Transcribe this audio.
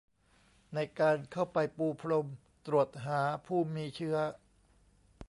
ในการเข้าไปปูพรมตรวจหาผู้มีเชื้อ